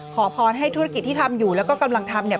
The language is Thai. ขอพรให้ธุรกิจที่ทำอยู่แล้วก็กำลังทำเนี่ย